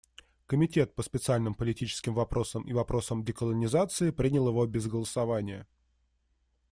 Комитет по специальным политическим вопросам и вопросам деколонизации принял его без голосования.